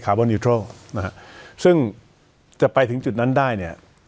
คาร์บอนนิวทรัลนะครับซึ่งจะไปถึงจุดนั้นได้เนี่ย